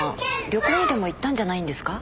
旅行にでも行ったんじゃないんですか？